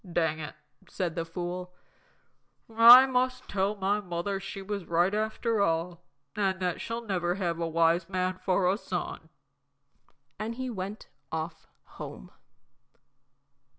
"Dang it," said the fool. "I must tell my mother she was right after all, and that she'll never have a wise man for a son!" And he went off home.